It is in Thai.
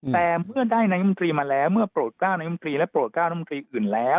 แต่เมื่อได้นายมนตรีมาแล้วเมื่อโปรดกล้าวนายมนตรีและโปรดก้าวน้ำมนตรีอื่นแล้ว